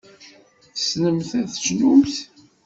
Tessnemt ad tecnumt.